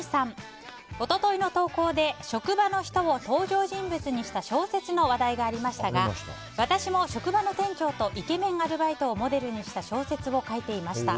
一昨日の投稿で職場の人を登場人物にした小説の話題がありましたが私も職場の店長とイケメンアルバイトをモデルにした小説を書いていました。